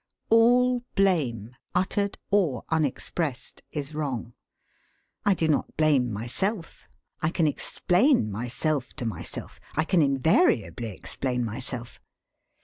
All blame, uttered or unexpressed, is wrong. I do not blame myself. I can explain myself to myself. I can invariably explain myself.